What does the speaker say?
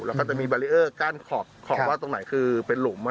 แล้วก็จะมีเวเรเตอร์หลับขอบตรงไหนที่เป็นหลุม